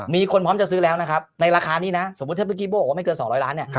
มีคนพร้อมจะซื้อแล้วนะครับในราคานี้นะสมมุติถ้าเมื่อกี้โบ้บอกว่าไม่เกิน๒๐๐ล้านเนี่ย